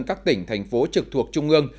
các tỉnh thành phố trực thuộc trung ương